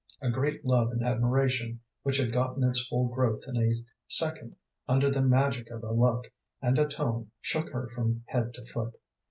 A great love and admiration which had gotten its full growth in a second under the magic of a look and a tone shook her from head to foot.